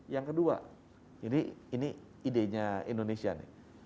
yang kedua ini idenya indonesia nih